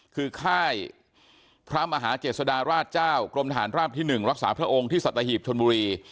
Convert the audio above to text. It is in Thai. คือค่ายพระมหาเจษฎาราชเจ้ากรมทหารราบที่๑รักษาพระองค์ที่สัตหีบชนบุรี